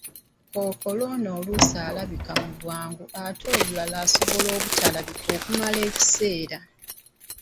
Kookolo ono oluusi alabika mu bwangu ate olulala asobola obutalabika okumala ekiseera